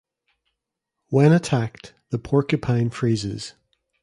When attacked, the porcupine freezes.